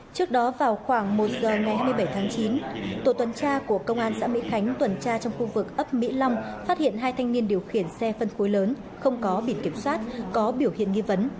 trước đó vào khoảng một giờ ngày hai mươi bảy tháng chín tổ tuần tra của công an xã mỹ khánh tuần tra trong khu vực ấp mỹ long phát hiện hai thanh niên điều khiển xe phân khối lớn không có biển kiểm soát có biểu hiện nghi vấn